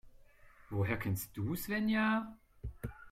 Woher kennst du Svenja?